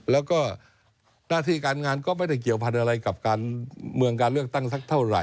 แล้วก็หน้าที่การงานก็ไม่ได้เกี่ยวพันธุ์อะไรกับการเมืองการเลือกตั้งสักเท่าไหร